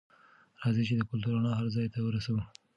راځئ چې د کلتور رڼا هر ځای ته ورسوو.